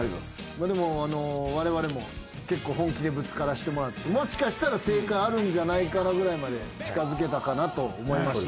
でもわれわれも結構本気でぶつからせてもらってもしかしたら正解あるんじゃないかなぐらいまで近づけたかなと思いました。